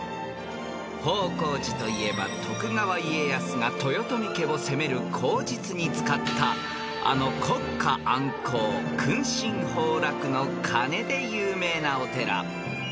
［方広寺といえば徳川家康が豊臣家を攻める口実に使ったあの国家安康君臣豊楽の鐘で有名なお寺］